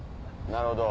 なるほど。